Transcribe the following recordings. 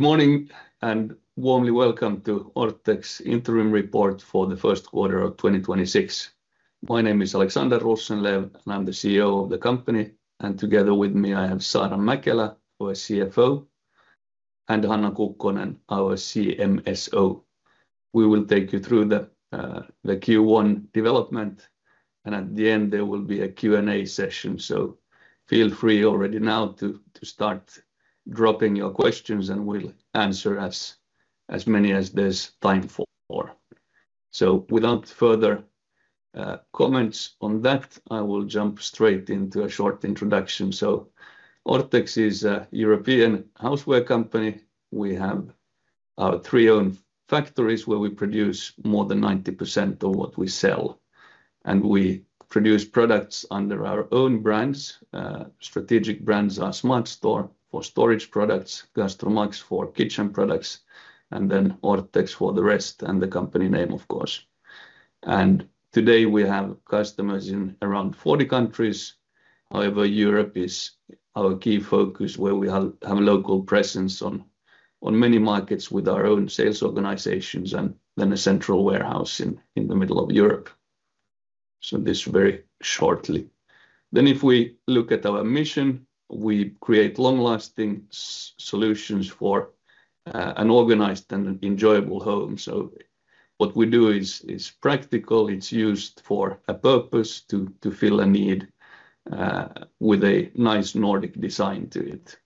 Good morning and warmly welcome to Orthex Interim Report for the First Quarter of 2026. My name is Alexander Rosenlew, and I'm the CEO of the company, and together with me, I have Saara Mäkelä, our CFO, and Hanna Kukkonen, our CMSO. We will take you through the Q1 development, and at the end, there will be a Q&A session. Feel free already now to start dropping your questions, and we'll answer as many as there's time for. Without further comments on that, I will jump straight into a short introduction. Orthex is a European houseware company. We have our three own factories where we produce more than 90% of what we sell. We produce products under our own brands. Strategic brands are SmartStore for storage products, GastroMax for kitchen products, and then Orthex for the rest and the company name, of course. Today we have customers in around 40 countries. However, Europe is our key focus where we have local presence on many markets with our own sales organizations and then a central warehouse in the middle of Europe. This very shortly. If we look at our mission, we create long-lasting solutions for an organized and an enjoyable home. What we do is practical. It's used for a purpose to fill a need with a nice Nordic design to it.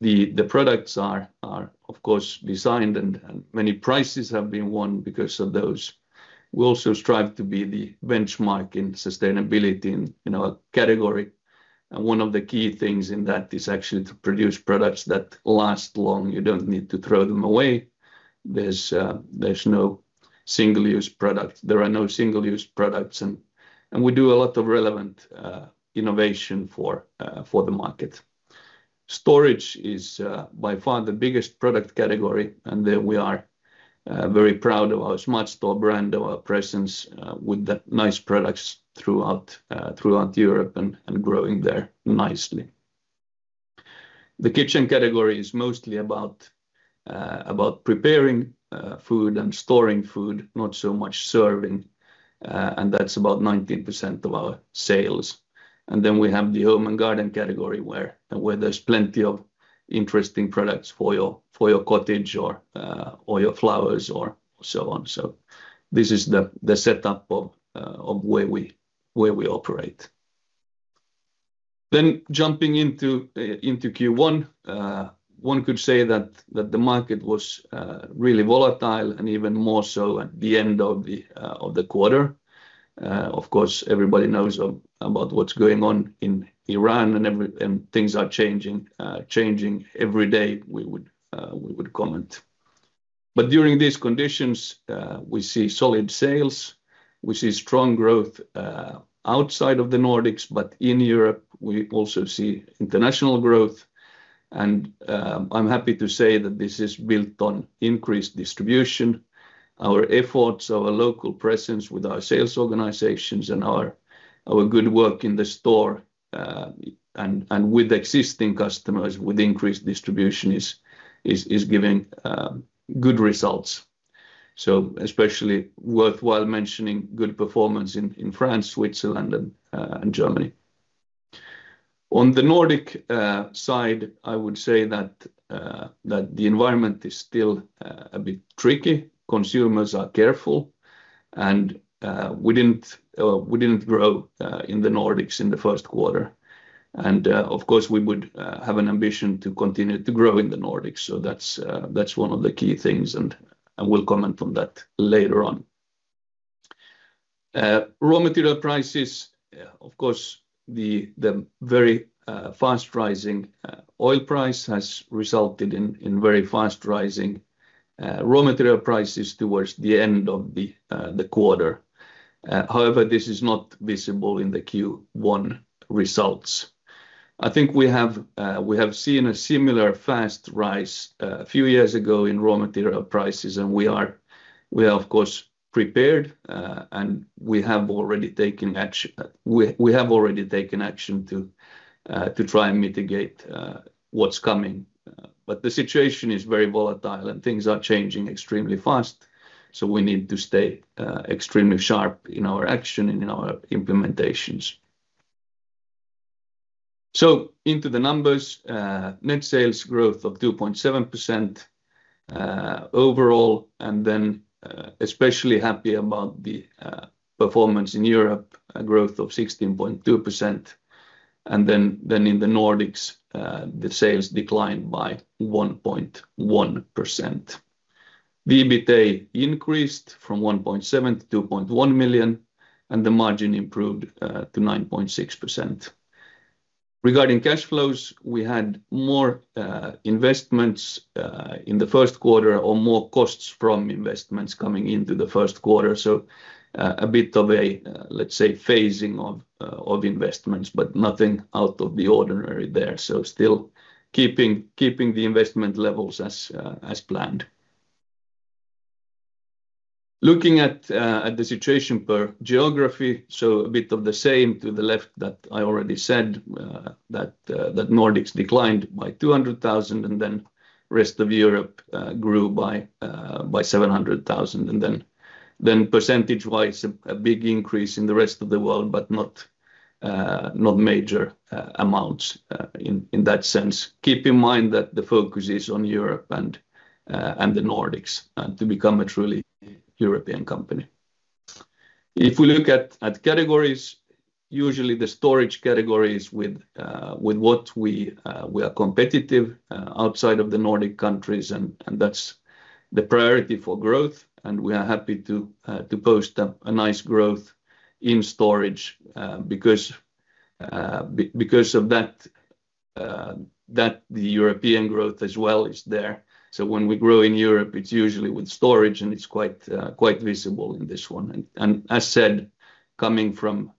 The products are, of course, designed and many prices have been won because of those. We also strive to be the benchmark in sustainability in our category. One of the key things in that is actually to produce products that last long. You don't need to throw them away. There's no single-use product. There are no single-use products and we do a lot of relevant innovation for the market. Storage is by far the biggest product category, and there we are very proud of our SmartStore brand, our presence with the nice products throughout Europe and growing there nicely. The kitchen category is mostly about preparing food and storing food, not so much serving, and that's about 19% of our sales. We have the home and garden category where there's plenty of interesting products for your cottage or your flowers or so on. This is the setup of where we operate. Jumping into Q1, one could say that the market was really volatile and even more so at the end of the quarter. Of course, everybody knows about what's going on in Iran and things are changing every day, we would comment. During these conditions, we see solid sales. We see strong growth outside of the Nordics, but in Europe, we also see international growth. I'm happy to say that this is built on increased distribution. Our efforts, our local presence with our sales organizations and our good work in the store and with existing customers with increased distribution is giving good results. Especially worthwhile mentioning good performance in France, Switzerland and Germany. On the Nordic side, I would say that the environment is still a bit tricky. Consumers are careful. We didn't grow in the Nordics in the first quarter. Of course, we would have an ambition to continue to grow in the Nordics. That's one of the key things and we'll comment on that later on. Raw material prices, of course, the very fast rising oil price has resulted in very fast rising raw material prices towards the end of the quarter. However, this is not visible in the Q1 results. I think we have, we have seen a similar fast rise a few years ago in raw material prices, and we are, of course, prepared, and we have already taken action to try and mitigate what's coming. The situation is very volatile and things are changing extremely fast. We need to stay extremely sharp in our action and in our implementations. Into the numbers, net sales growth of 2.7% overall, and then especially happy about the performance in Europe, a growth of 16.2%. In the Nordics, the sales declined by 1.1%. The EBITDA increased from 1.7 million-2.1 million, and the margin improved to 9.6%. Regarding cash flows, we had more investments in the first quarter or more costs from investments coming into the first quarter. A bit of a, let's say, phasing of investments, but nothing out of the ordinary there. Still keeping the investment levels as planned. Looking at the situation per geography, so a bit of the same to the left that I already said, that Nordics declined by 200,000 and then rest of Europe grew by 700,000. Percentage-wise a big increase in the rest of the world, but not major amounts in that sense. Keep in mind that the focus is on Europe and the Nordics, and to become a truly European company. If we look at categories, usually the storage categories with what we are competitive outside of the Nordic countries and that's the priority for growth. We are happy to post a nice growth in storage because of that the European growth as well is there. When we grow in Europe, it's usually with storage and it's quite visible in this one. As said, coming from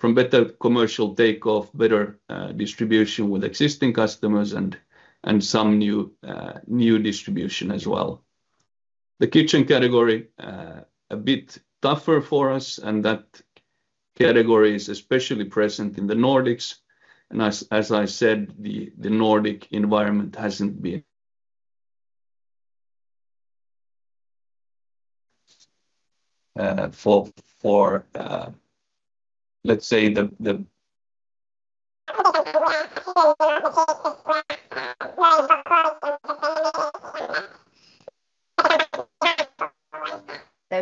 better commercial takeoff, better distribution with existing customers and some new distribution as well. The kitchen category a bit tougher for us, and that category is especially present in the Nordics. As I said, the Nordic environment hasn't been. There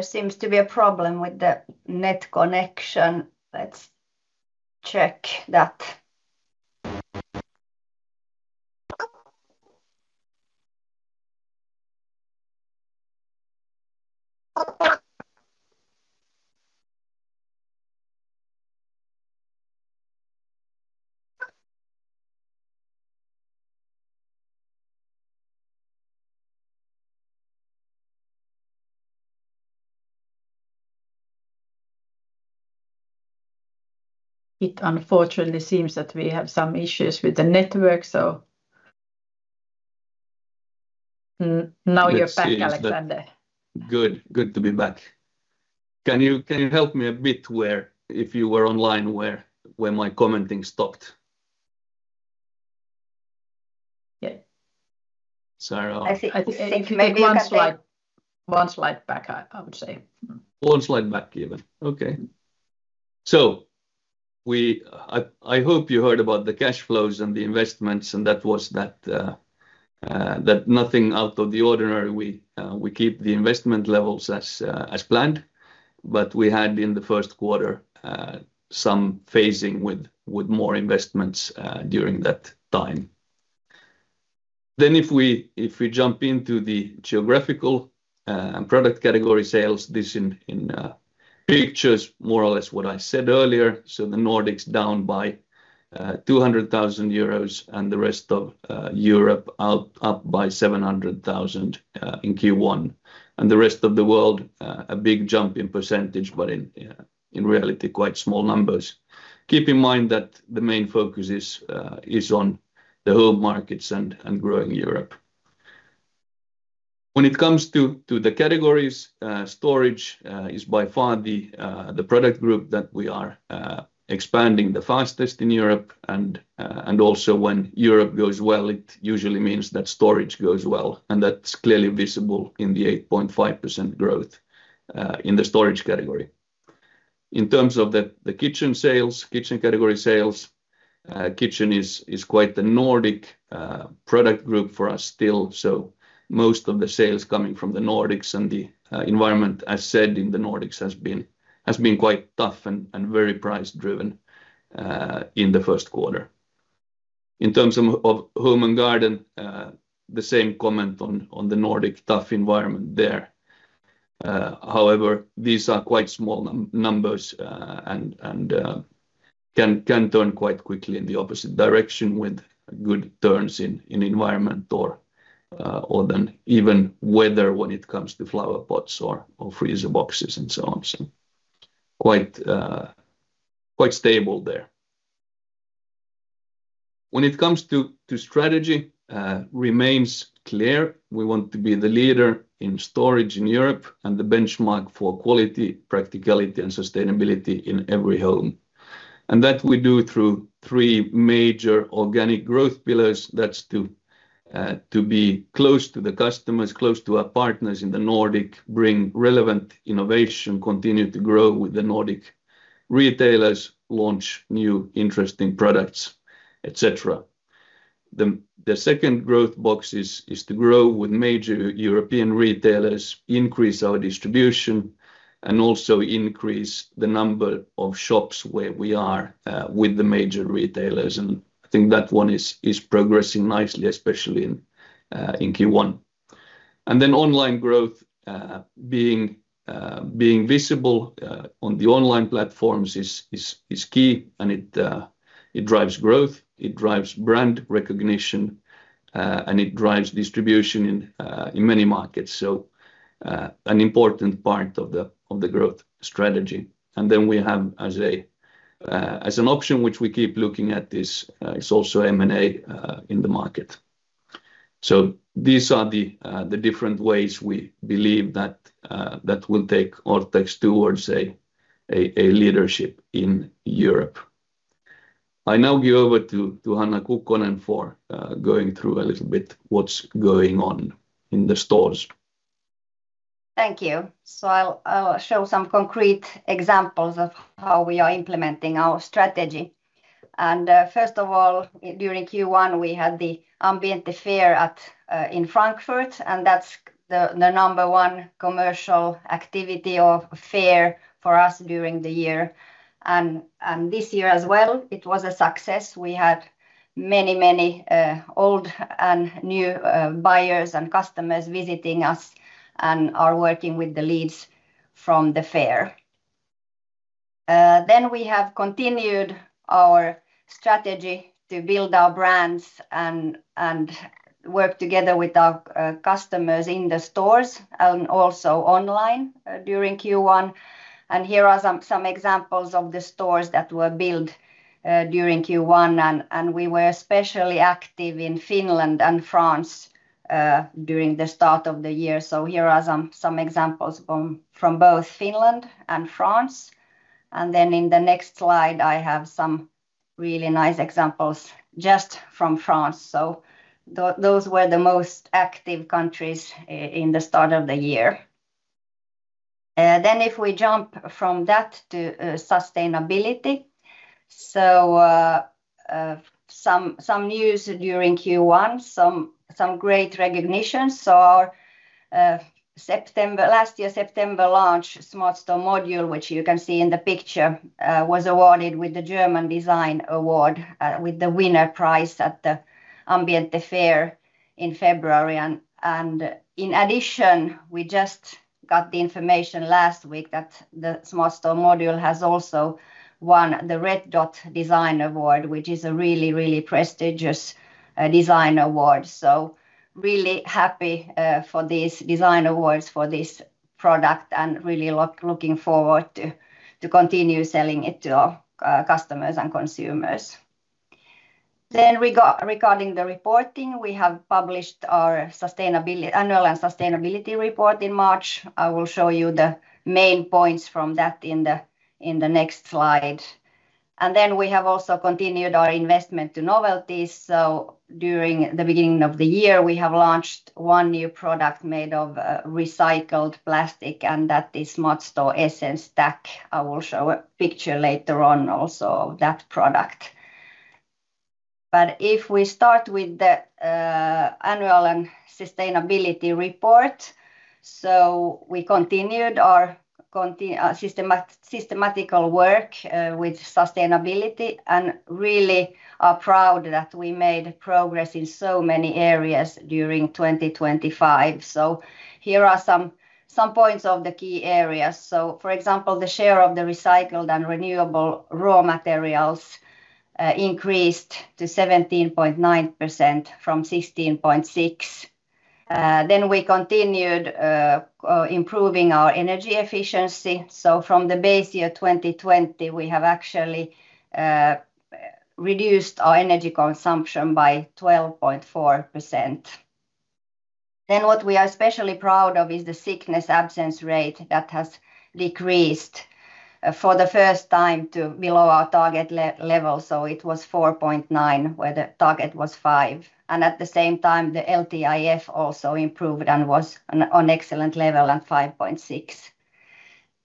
seems to be a problem with the net connection. Let's check that. It unfortunately seems that we have some issues with the network, so now you're back, Alexander. Good. Good to be back. Can you help me a bit where if you were online, where my commenting stopped? Yeah. Sorry. I think maybe one slide back I would say. One slide back even. Okay. We, I hope you heard about the cash flows and the investments and that was that nothing out of the ordinary. We, we keep the investment levels as planned. We had in the first quarter some phasing with more investments during that time. If we jump into the geographical product category sales, this in pictures more or less what I said earlier. The Nordics down by 200,000 euros and the rest of Europe up by 700,000 in Q1. The rest of the world a big jump in percentage, but in reality, quite small numbers. Keep in mind that the main focus is on the home markets and growing Europe. When it comes to the categories, storage is by far the product group that we are expanding the fastest in Europe. Also when Europe goes well, it usually means that storage goes well, and that's clearly visible in the 8.5% growth in the storage category. In terms of the kitchen sales, kitchen category sales, kitchen is quite the Nordic product group for us still. Most of the sales coming from the Nordics and the environment, as said, in the Nordics has been quite tough and very price-driven in the first quarter. In terms of home and garden, the same comment on the Nordic tough environment there. However, these are quite small numbers, and can turn quite quickly in the opposite direction with good turns in environment or even weather when it comes to flower pots or freezer boxes and so on. Quite stable there. When it comes to strategy, remains clear. We want to be the leader in storage in Europe and the benchmark for quality, practicality, and sustainability in every home. That we do through three major organic growth pillars. That's to be close to the customers, close to our partners in the Nordic, bring relevant innovation, continue to grow with the Nordic retailers, launch new interesting products, et cetera. The second growth box is to grow with major European retailers, increase our distribution, and also increase the number of shops where we are with the major retailers. I think that one is progressing nicely, especially in Q1. Online growth, being visible on the online platforms is key and it drives growth, it drives brand recognition, and it drives distribution in many markets. An important part of the growth strategy. We have as an option which we keep looking at is also M&A in the market. These are the different ways we believe that will take Orthex towards a leadership in Europe. I now give over to Hanna Kukkonen for going through a little bit what's going on in the stores. Thank you. I'll show some concrete examples of how we are implementing our strategy. First of all, during Q1 we had the Ambiente fair in Frankfurt, and that's the number one commercial activity or fair for us during the year. This year as well it was a success. We had many old and new buyers and customers visiting us and are working with the leads from the fair. We have continued our strategy to build our brands and work together with our customers in the stores and also online during Q1. Here are some examples of the stores that were built during Q1 and we were especially active in Finland and France during the start of the year. Here are some examples from both Finland and France. In the next slide, I have some really nice examples just from France. Those were the most active countries in the start of the year. If we jump from that to sustainability. News during Q1, great recognition. Our September last year launch, SmartStore Module, which you can see in the picture, was awarded with the German Design Award with the winner prize at the Ambiente fair in February. In addition, we just got the information last week that the SmartStore Module has also won the Red Dot Design Award, which is a really prestigious design award. Really happy for these design awards for this product and really looking forward to continue selling it to our customers and consumers. Regarding the reporting, we have published our annual and sustainability report in March. I will show you the main points from that in the next slide. We have also continued our investment to novelties. During the beginning of the year, we have launched one new product made of recycled plastic, and that is SmartStore Essence Stack. I will show a picture later on also of that product. If we start with the annual and sustainability report, we continued our systematical work with sustainability and really are proud that we made progress in so many areas during 2025. Here are some points of the key areas. For example, the share of the recycled and renewable raw materials increased to 17.9% from 16.6%. We continued improving our energy efficiency. From the base year 2020, we have actually reduced our energy consumption by 12.4%. What we are especially proud of is the sickness absence rate that has decreased for the first time to below our target level, so it was 4.9%, where the target was 5%. At the same time, the LTIF also improved and was on excellent level at 5.6%.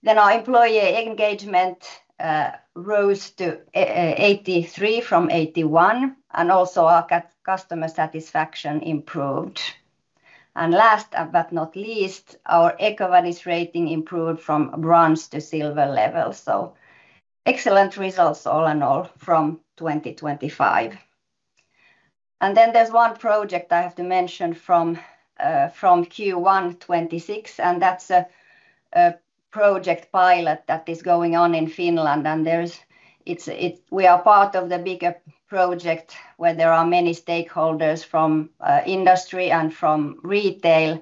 Our employee engagement rose to 83% from 81%, and also our customer satisfaction improved. Last but not least, our EcoVadis rating improved from bronze to silver level. Excellent results all in all from 2025. There's one project I have to mention from Q1 2026, that's a project pilot that is going on in Finland. We are part of the bigger project where there are many stakeholders from industry and from retail,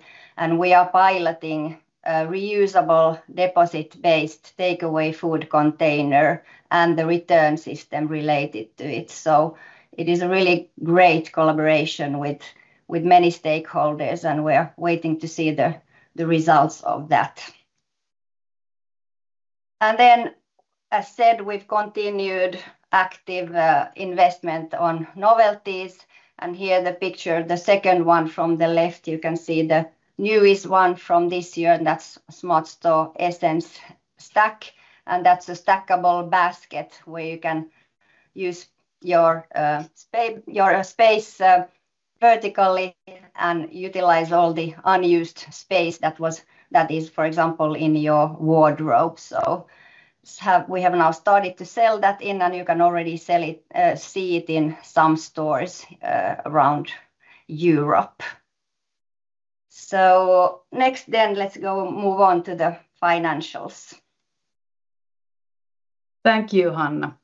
we are piloting a reusable deposit-based takeaway food container and the return system related to it. It is a really great collaboration with many stakeholders, we're waiting to see the results of that. As said, we've continued active investment on novelties. Here the picture, the second one from the left, you can see the newest one from this year, that's SmartStore Essence Stack. That's a stackable basket where you can use your space vertically and utilize all the unused space that is, for example, in your wardrobe. We have now started to sell that in, and you can already see it in some stores around Europe. Next, let's go move on to the financials. Thank you, Hanna.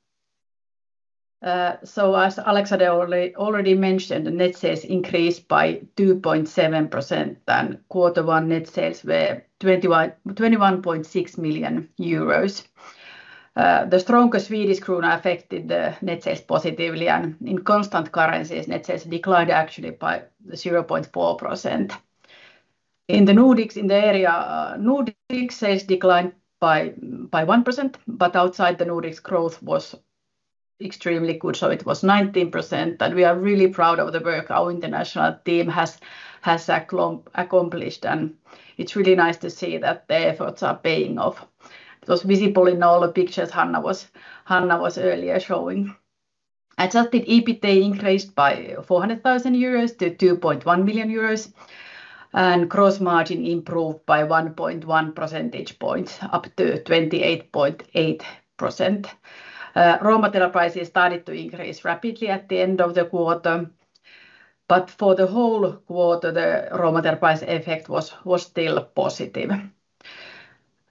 As Alexander already mentioned, the net sales increased by 2.7%. Q1 net sales were 21.6 million euros. The stronger Swedish krona affected the net sales positively. In constant currencies, net sales declined actually by 0.4%. In the Nordics, in the area, Nordic sales declined by 1%. Outside the Nordics, growth was extremely good. It was 19%. We are really proud of the work our international team has accomplished. It's really nice to see that the efforts are paying off. It was visible in all the pictures Hanna was earlier showing. Adjusted EBITA increased by 400,000-2.1 million euros. Gross margin improved by 1.1 percentage points up to 28.8%. Raw material prices started to increase rapidly at the end of the quarter. For the whole quarter, the raw material price effect was still positive.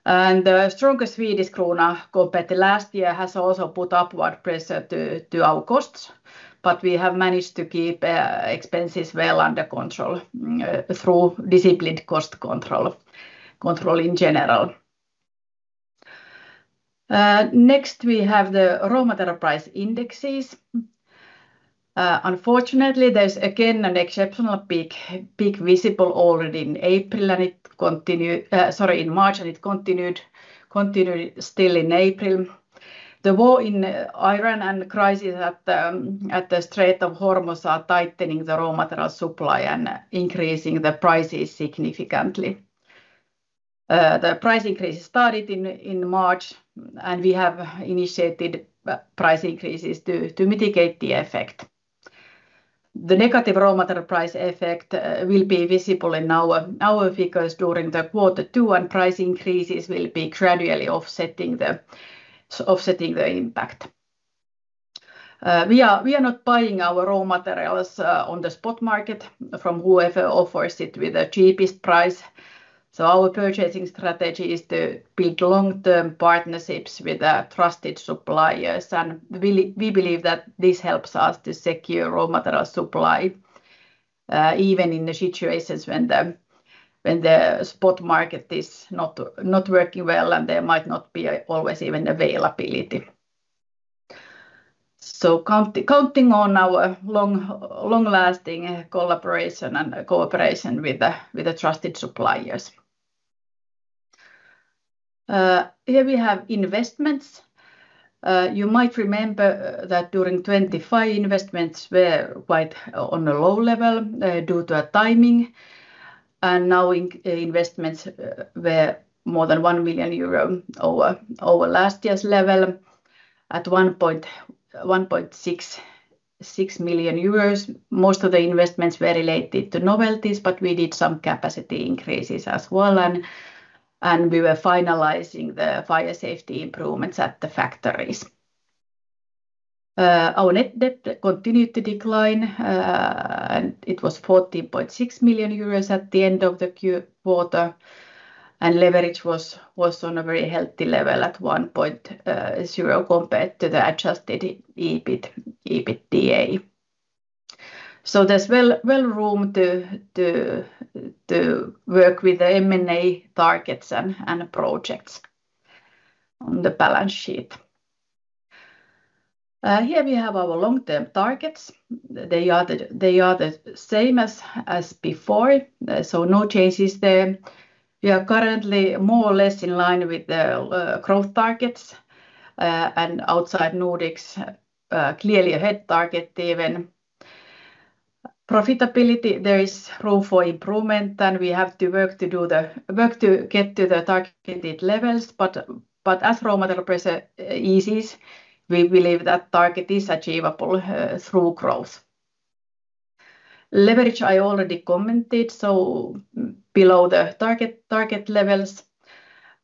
The stronger Swedish krona compared to last year has also put upward pressure to our costs, but we have managed to keep expenses well under control through disciplined cost control in general. Next we have the raw material price indexes. Unfortunately, there's again an exceptional peak visible already in April, and it continued, sorry, in March, and it continued still in April. The war in Iran and crisis at the Strait of Hormuz are tightening the raw material supply and increasing the prices significantly. The price increase started in March, and we have initiated price increases to mitigate the effect. The negative raw material price effect will be visible in our figures during the quarter two, and price increases will be gradually offsetting the impact. We are not buying our raw materials on the spot market from whoever offers it with the cheapest price. Our purchasing strategy is to build long-term partnerships with trusted suppliers, and we believe that this helps us to secure raw material supply even in the situations when the spot market is not working well and there might not be always even availability. Counting on our long-lasting collaboration and cooperation with the trusted suppliers. Here we have investments. You might remember that during 2025 investments were quite on a low level due to timing. Now investments were more than 1 million euro over last year's level at 1.6 million euros. Most of the investments were related to novelties, but we did some capacity increases as well. We were finalizing the fire safety improvements at the factories. Our net debt continued to decline. It was 14.6 million euros at the end of the quarter, and leverage was on a very healthy level at 1.0 compared to the adjusted EBITDA. There's well room to work with the M&A targets and projects on the balance sheet. Here we have our long-term targets. They are the same as before, so no changes there. We are currently more or less in line with the growth targets, and outside Nordics, clearly ahead target even. Profitability, there is room for improvement, and we have to do the work to get to the targeted levels. As raw material pressure eases, we believe that target is achievable through growth. Leverage, I already commented, below the target levels.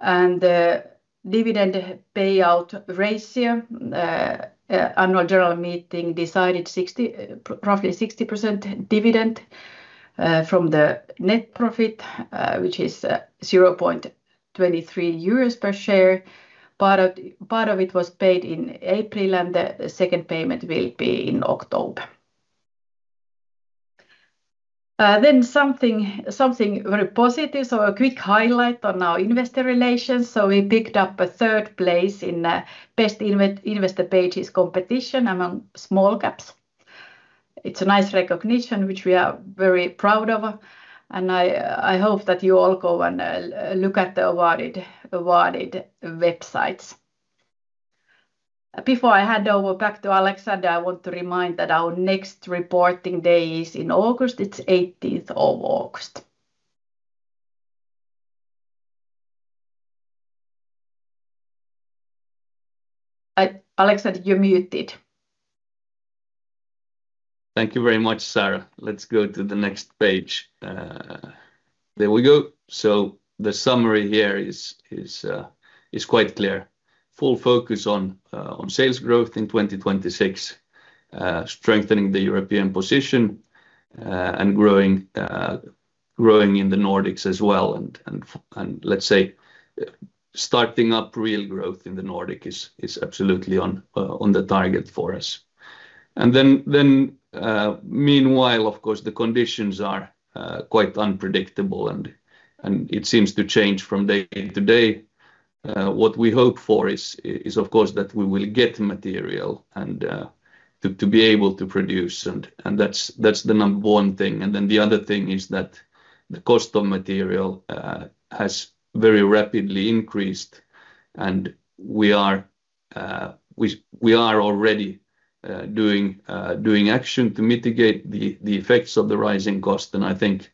The dividend payout ratio, annual general meeting decided roughly 60% dividend from the net profit, which is 0.23 euros per share. Part of it was paid in April, and the second payment will be in October. Something very positive. A quick highlight on our investor relations. We picked up a third place in Best Investor Pages competition among small caps. It's a nice recognition which we are very proud of, and I hope that you all go and look at the awarded websites. Before I hand over back to Alexander, I want to remind that our next reporting day is in August. It's 18th of August. Alexander, you're muted. Thank you very much, Saara. Let's go to the next page. There we go. The summary here is quite clear. Full focus on sales growth in 2026, strengthening the European position, and growing in the Nordics as well. Let's say, starting up real growth in the Nordic is absolutely on the target for us. Then, meanwhile, of course, the conditions are quite unpredictable, and it seems to change from day to day. What we hope for is of course that we will get material and to be able to produce and that's the number one thing. Then the other thing is that the cost of material has very rapidly increased. We are already doing action to mitigate the effects of the rising cost. I think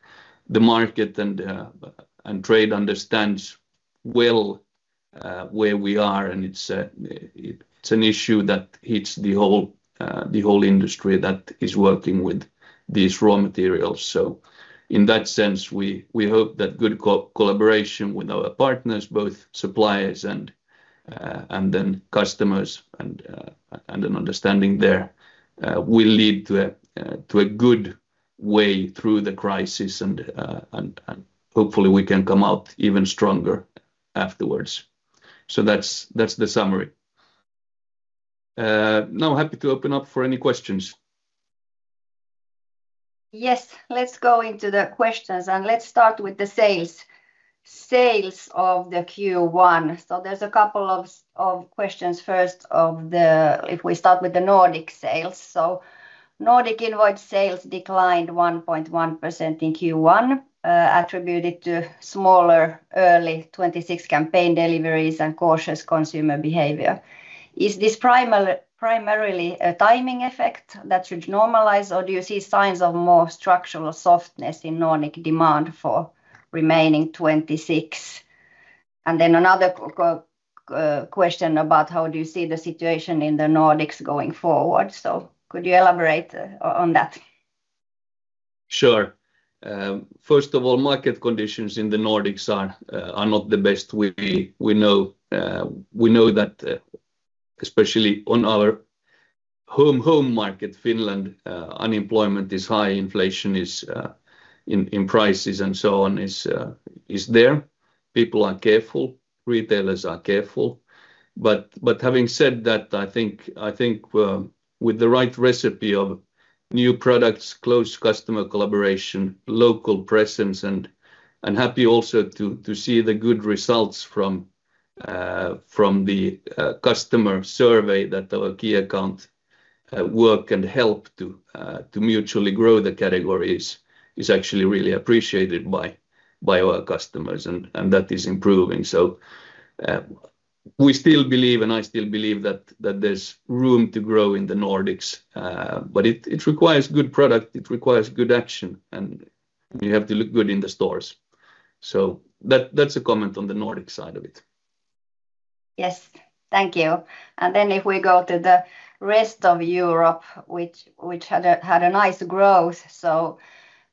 the market and trade understands well where we are. It's an issue that hits the whole industry that is working with these raw materials. In that sense, we hope that good collaboration with our partners, both suppliers and then customers and an understanding there will lead to a good way through the crisis and hopefully we can come out even stronger afterwards. That's the summary. Now I'm happy to open up for any questions. Yes, let's go into the questions, and let's start with the sales. Sales of the Q1. There's a couple of questions. If we start with the Nordic sales. Nordic invoice sales declined 1.1% in Q1, attributed to smaller early 2026 campaign deliveries and cautious consumer behavior. Is this primarily a timing effect that should normalize, or do you see signs of more structural softness in Nordic demand for remaining 2026? Another question about how do you see the situation in the Nordics going forward? Could you elaborate on that? Sure. First of all, market conditions in the Nordics are not the best. We know, we know that, especially on our home market, Finland, unemployment is high, inflation is in prices and so on is there. People are careful, retailers are careful. Having said that, I think with the right recipe of new products, close customer collaboration, local presence, and happy also to see the good results from the customer survey that our key account work and help to mutually grow the categories is actually really appreciated by our customers, and that is improving. We still believe, and I still believe that there's room to grow in the Nordics, but it requires good product, it requires good action, and you have to look good in the stores. That's a comment on the Nordic side of it. Yes. Thank you. If we go to the rest of Europe, which had a nice growth.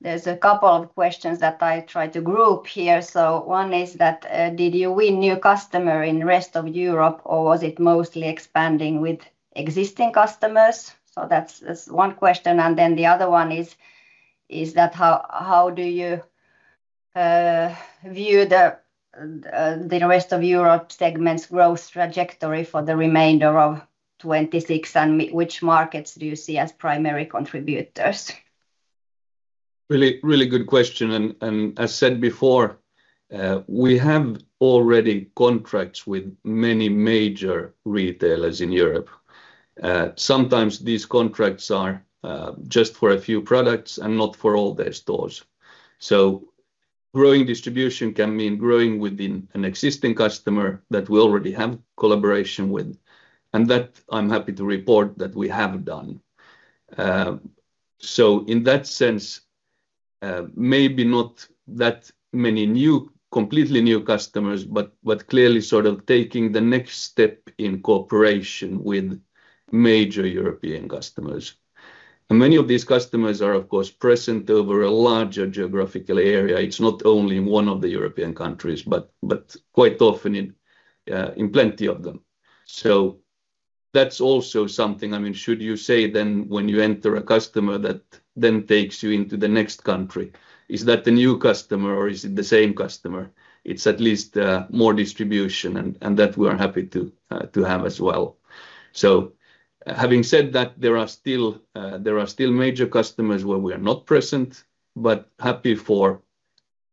There's a couple of questions that I tried to group here. One is that, did you win new customer in rest of Europe or was it mostly expanding with existing customers? That's one question. The other one is that how do you view the rest of Europe segments growth trajectory for the remainder of 2026? Which markets do you see as primary contributors? Really good question. As said before, we have already contracts with many major retailers in Europe. Sometimes these contracts are just for a few products and not for all their stores. Growing distribution can mean growing within an existing customer that we already have collaboration with, and that I'm happy to report that we have done. In that sense, maybe not that many new, completely new customers, but clearly sort of taking the next step in cooperation with major European customers. Many of these customers are, of course, present over a larger geographical area. It's not only in one of the European countries, but quite often in plenty of them. That's also something. I mean, should you say then when you enter a customer that then takes you into the next country, is that a new customer or is it the same customer? It's at least more distribution and that we are happy to have as well. Having said that, there are still, there are still major customers where we are not present, but happy for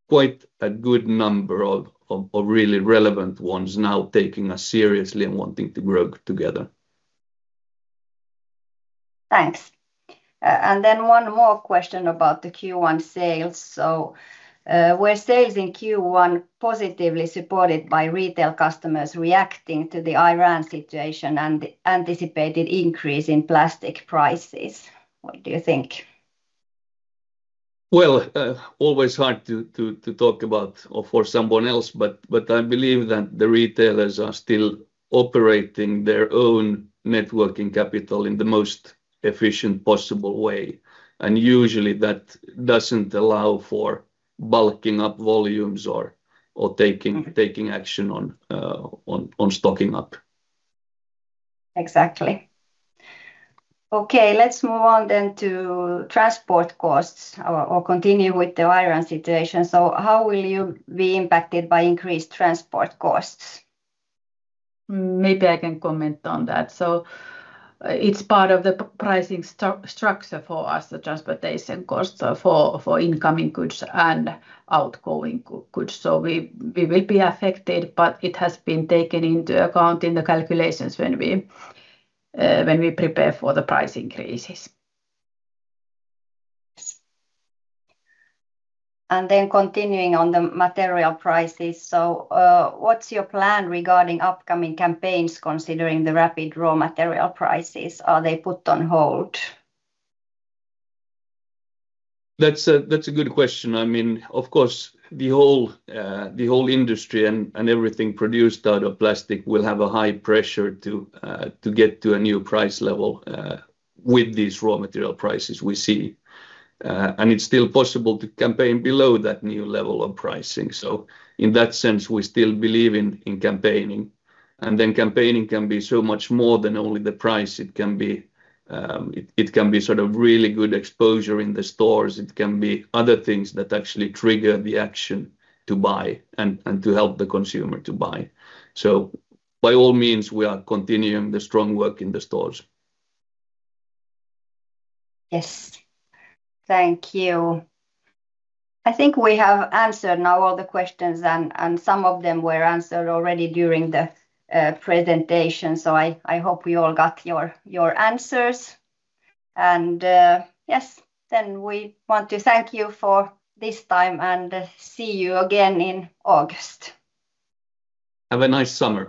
quite a good number of really relevant ones now taking us seriously and wanting to grow together. Thanks. One more question about the Q1 sales. Were sales in Q1 positively supported by retail customers reacting to the Iran situation and the anticipated increase in plastic prices? What do you think? Well, always hard to talk about or for someone else, but I believe that the retailers are still operating their own networking capital in the most efficient possible way. Usually that doesn't allow for bulking up volumes or taking action on stocking up. Exactly. Okay, let's move on to transport costs or continue with the Iran situation. How will you be impacted by increased transport costs? Maybe I can comment on that. It's part of the pricing structure for us, the transportation cost for incoming goods and outgoing goods. We will be affected, but it has been taken into account in the calculations when we prepare for the price increases. Yes. Continuing on the material prices. What's your plan regarding upcoming campaigns considering the rapid raw material prices? Are they put on hold? That's a, that's a good question. I mean, of course, the whole, the whole industry and everything produced out of plastic will have a high pressure to get to a new price level with these raw material prices we see. It's still possible to campaign below that new level of pricing. In that sense, we still believe in campaigning. Campaigning can be so much more than only the price. It can be, it can be sort of really good exposure in the stores. It can be other things that actually trigger the action to buy and to help the consumer to buy. By all means, we are continuing the strong work in the stores. Yes. Thank you. I think we have answered now all the questions, and some of them were answered already during the presentation. I hope you all got your answers. Yes, we want to thank you for this time and see you again in August. Have a nice summer.